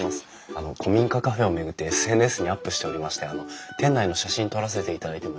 あの古民家カフェを巡ってＳＮＳにアップしておりまして店内の写真撮らせていただいてもよろしいですか？